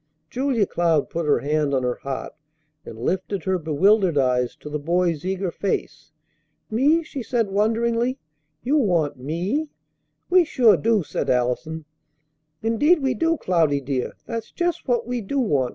Julia Cloud put her hand on her heart, and lifted her bewildered eyes to the boy's eager face. "Me!" she said wonderingly. "You want me!" "We sure do!" said Allison. "Indeed we do, Cloudy, dear! That's just what we do want!"